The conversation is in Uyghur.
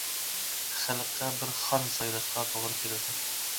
خەلققە بىر خان سايلاشقا توغرا كېلىدۇ.